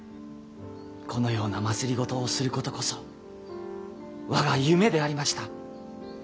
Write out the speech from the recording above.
このような政をすることこそ我が夢でありました。